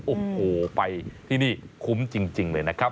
โอ้โหไปที่นี่คุ้มจริงเลยนะครับ